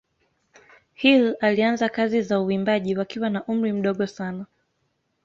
Hill alianza kazi za uimbaji wakiwa na umri mdogo sana.